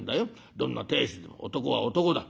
どんな亭主でも男は男だ。